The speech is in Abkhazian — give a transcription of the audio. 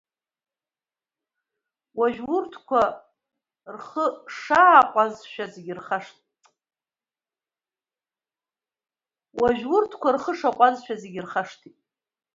Уажәы, урҭқәа, рхы шаҟәазшәа, зегьы рхашҭит.